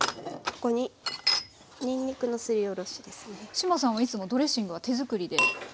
志麻さんはいつもドレッシングは手作りで？